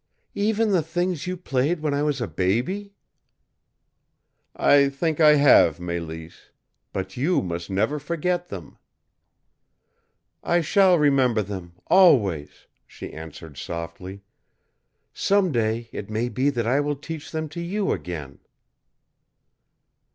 "Even the things you played when I was a baby?" "I think I have, Mélisse. But you must never forget them." "I shall remember them always," she answered softly. "Some day it may be that I will teach them to you again."